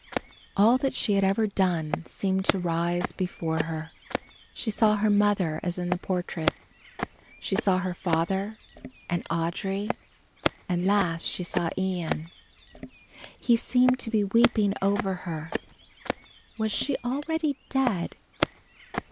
All that she had ever done seemed to rise before her. She saw her mother as in the portrait. She saw her father and Audry, and last she saw Ian. He seemed to be weeping over her! Was she already dead?